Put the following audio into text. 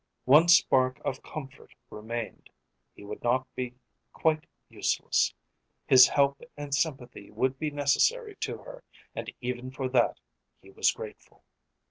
One spark of comfort remained. He would not be quite useless. His help and sympathy would be necessary to her, and even for that he was grateful.